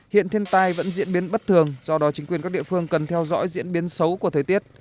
hiện thiên tai vẫn diễn biến bất thường do đó chính quyền các địa phương cần theo dõi diễn biến xấu của thời tiết